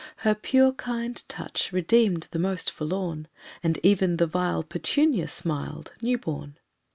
Her pure kind touch redeemed the most forlorn, And even the vile petunia smiled, new born.